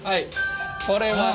これはね